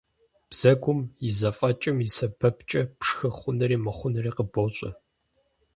Бзэгум и зэфӀэкӀым и сэбэпкӀэ пшхы хъунури мыхъунури къыбощӀэ.